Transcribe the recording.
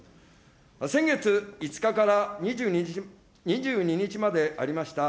先月５日から２２日までありました